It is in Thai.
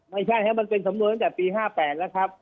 ไม่ใช่นะมันเป็นสำนวนนั้นแต่ปีห้าแปดแล้วครับอ๋อ